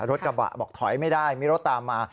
รถกระบะบอกถอยไม่ได้มีรถตามมา